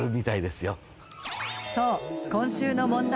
そう今週の問題